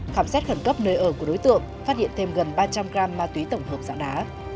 khám xét khẩn cấp nơi ở của đối tượng phát hiện thêm gần ba trăm linh gram ma túy tổng hợp dạng đá